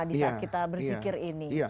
di saat kita bersikir ini